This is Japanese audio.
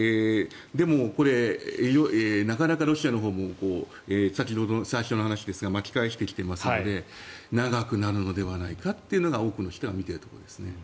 でもこれなかなかロシアのほうも最初の話ですが巻き返してきていますので長くなるのではないかというのが多くの人が見ているところですね。